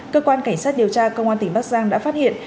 cơ quan cảnh sát điều tra công an tỉnh bắc giang đã phát hiện